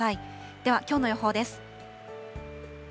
ではきょうの予報です。